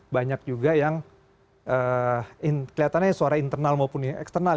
banyak juga yang kelihatannya suara internal maupun ya eksternal